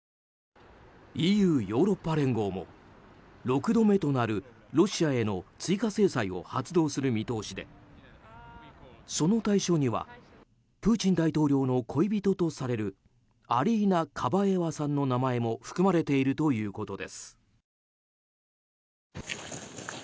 ＥＵ・ヨーロッパ連合も６度目となるロシアへの追加制裁を発動する見通しでその対象にはプーチン大統領の恋人とされるアリーナ・カバエワさんの名前も含まれているということです。